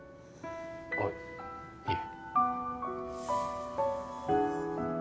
あっいえ